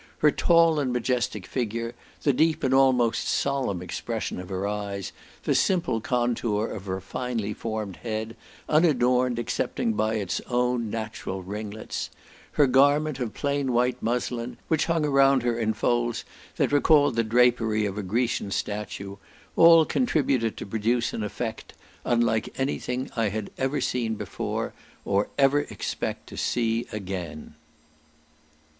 Her tall and majestic figure, the deep and almost solemn expression of her eyes, the simple contour of her finely formed head, unadorned excepting by its own natural ringlets; her garment of plain white muslin, which hung around her in folds that recalled the drapery of a Grecian statue, all contributed to produce an effect, unlike anything I had ever seen before, or ever expect to see again.